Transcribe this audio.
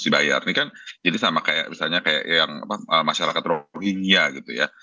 ini kan jadi sama kayak misalnya kayak yang masyarakat rohingya gitu ya